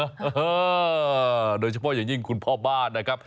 เออโดยเฉพาะอย่างยิ่งคุณพ่อบ้านนะครับ